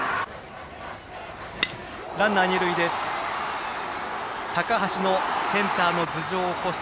ランナー、二塁で高橋のセンターの頭上を越す